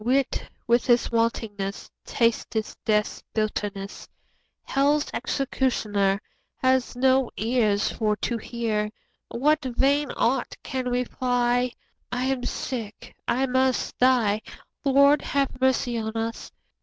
Wit with his wantonness Tasteth death's bitterness; 30 Hell's executioner Hath no ears for to hear What vain art can reply; I am sick, I must die— Lord, have mercy on us!